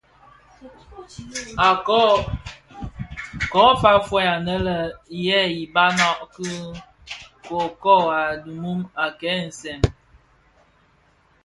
Ko fa fœug anè yè ibabana ki kōkōg a dhimum a kè nsèň.